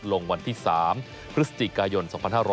ลงวันที่๓พฤศจิกายน๒๕๖๐